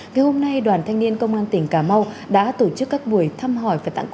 ngày hôm nay đoàn thanh niên công an tỉnh cà mau đã tổ chức các buổi thăm hỏi